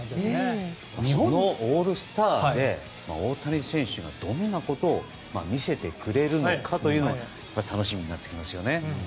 そのオールスターで大谷選手がどんなことを見せてくれるのかというのが楽しみになってきますよね。